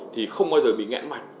thì không bao giờ bị nghẹn mặt